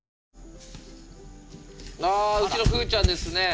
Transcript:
あうちのふうちゃんですね。